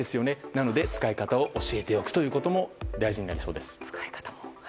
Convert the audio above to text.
なので、使い方を教えておくことも大事になりそうです。